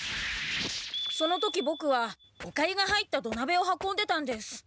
その時ボクはおかゆが入ったどなべを運んでたんです。